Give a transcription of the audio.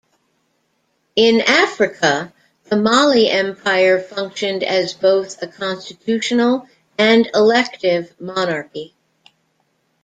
In Africa, the Mali Empire functioned as both a constitutional and elective monarchy.